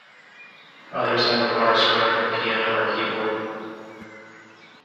Others have a bar surrounding the piano or keyboard.